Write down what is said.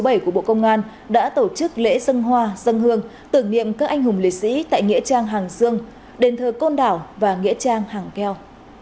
bộ công an đã tổ chức lễ dân hoa dân hương tưởng niệm các anh hùng liệt sĩ tại nghĩa trang hàng dương đền thờ côn đảo và nghĩa trang hàng keo